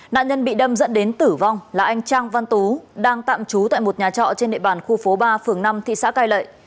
nạn nhân bị đâm dẫn đến tử vong là anh trang văn tú đang tạm trú tại một nhà trọ trên địa bàn khu phố ba phường năm thị xã cai lệ